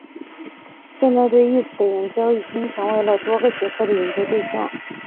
现代对意识的研究已经成为了多个学科的研究对象。